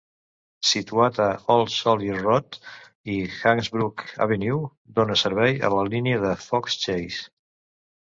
Situat a Old Soldiers Road i Hasbrook Avenue, dona servei a la línia de Fox Chase.